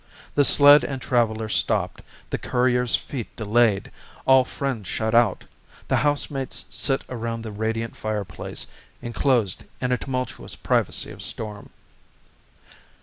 The sled and traveller stopped, the courier's feet Delayed, all friends shut out, the housemates sit Around the radiant fireplace, enclosed In a tumultuous privacy of storm.